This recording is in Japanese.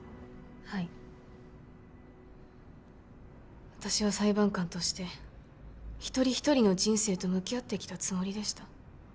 はい私は裁判官として一人一人の人生と向き合ってきたつもりでした